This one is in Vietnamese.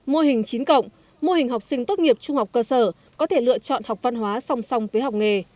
các trường mô hình học sinh tốt nghiệp trung học cơ sở có thể lựa chọn học văn hóa song song với học nghề